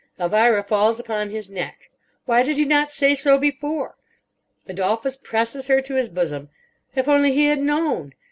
Elvira falls upon his neck. Why did he not say so before? Adolphus presses her to his bosom. If only he had known!